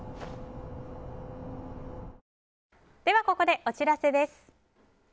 ここでお知らせです。